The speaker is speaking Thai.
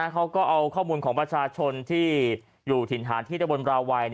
เขาก็เอาข้อมูลของประชาชนที่อยู่ถิ่นฐานที่ตะบนบราวัย